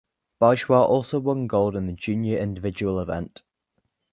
Bajwa also won gold in the junior individual event.